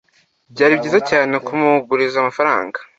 Byari byiza cyane kumuguriza amafaranga.